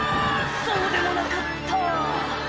そうでもなかった」